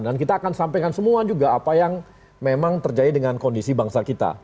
dan kita akan sampaikan semua juga apa yang memang terjadi dengan kondisi bangsa kita